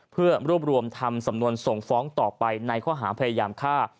เพื่อรวบรวมทำสำนวนส่งฟ้องต่อไปในข้อหาพยายามฆ่า